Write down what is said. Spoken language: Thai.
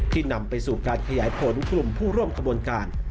นำไปสู่การขยายผลกลุ่มผู้ร่วมขบวนการ